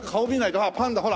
あっパンダほら！